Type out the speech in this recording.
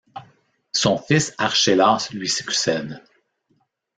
Son fils Archélas lui succède.